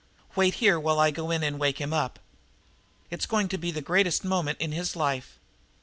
"Wait here while I go in and wake him up. It's going to be the greatest moment in his life!